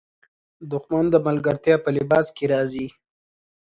دښمن د ملګرتیا په لباس کې راځي